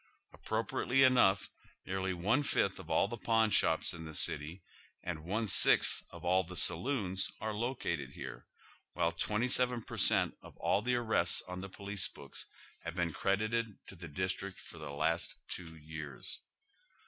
Appropriately enough, nearly one fifth of all the pawn shops in tlie city and one sixth of all the saloons are located here, while twenty seven per cent, of all the ari ests on the police books have been credited to the district for the last two years.